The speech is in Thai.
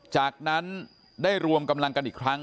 จากนั้นได้รวมกำลังกันอีกครั้ง